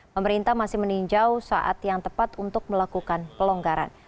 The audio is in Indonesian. pemerintah masih meninjau saat yang tepat untuk melakukan pelonggaran